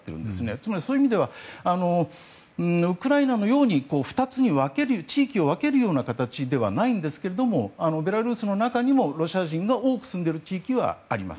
つまり、そういう意味ではウクライナのように２つに地域を分けるような形ではないんですけどもベラルーシの中にもロシア人が多く住んでいる地域はあります。